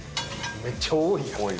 めっちゃ多い。